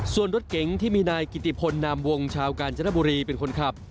ส่วนรถเก๋งที่มีนายกิติพลนามวงชาวกาญจนบุรีเป็นคนขับ